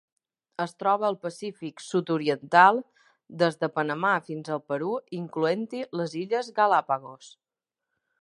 Es troba al Pacífic sud-oriental: des de Panamà fins al Perú, incloent-hi les illes Galápagos.